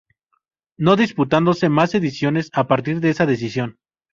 No disputándose más ediciones a partir de esa decisión.